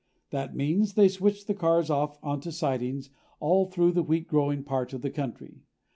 That means they switch the cars off onto sidings all through the wheat growing part of the country.